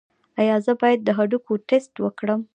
ایا زه باید د هډوکو ټسټ وکړم؟